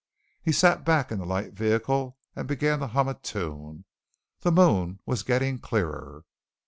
He sat back in the light vehicle and began to hum a tune. The moon was getting clearer.